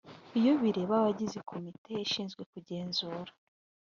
iyo bireba abagize komite ishinzwe kugenzura